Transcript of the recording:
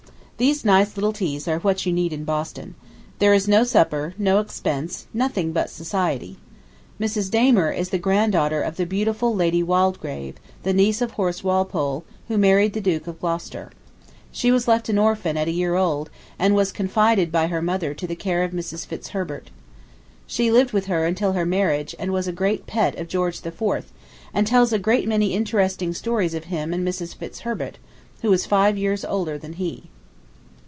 These nice little teas are what you need in Boston. There is no supper, no expense, nothing but society. Mrs. Damer is the granddaughter of the beautiful Lady Waldegrave, the niece of Horace Walpole, who married the Duke of Gloucester. She was left an orphan at a year old and was confided by her mother to the care of Mrs. Fitzherbert. She lived with her until her marriage and was a great pet of George IV, and tells a great many interesting stories of him and Mrs. Fitzherbert, who was five years older than he.